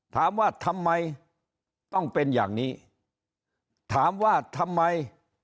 ถามว่าทำไมต้องเป็นอย่างนี้ถามว่าทำไม